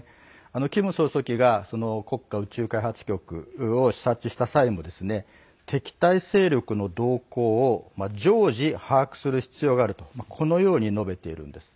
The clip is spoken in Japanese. キム総書記が国家宇宙開発局を視察した際も、敵対勢力の動向を常時把握する必要があると述べているんです。